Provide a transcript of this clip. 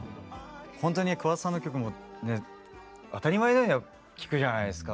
ほんとに桑田さんの曲も当たり前のように聴くじゃないですか。